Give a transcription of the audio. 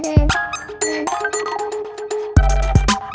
kau mau kemana